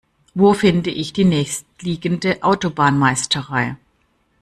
Wo finde ich die nächstliegende Autobahnmeisterei?